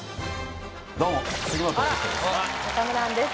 どうも杉本哲太です